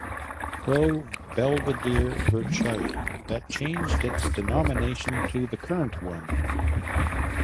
Pro Belvedere Vercelli, that changed its denomination to the current one.